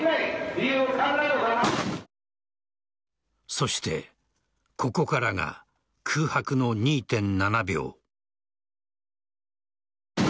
そしてここからが空白の２．７秒。